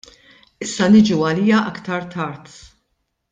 Issa niġu għaliha aktar tard.